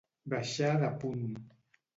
Baixar de punt.